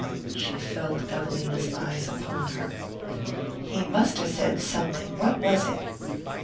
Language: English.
She felt Evelina's eyes upon her. "He must have said something: what was it?"